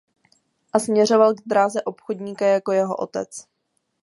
A směřoval k dráze obchodníka jako jeho otec.